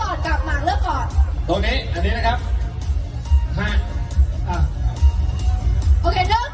โอเคเริ่มต่อ๓